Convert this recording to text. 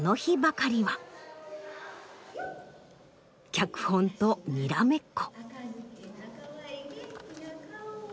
脚本とにらめっこ。